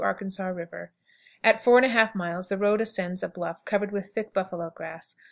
Arkansas River. At 4 1/2 miles the road ascends a bluff covered with thick buffalo grass.